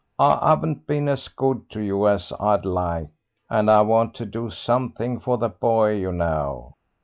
I haven't been as good to you as I'd like, and I want to do something for the boy, you know."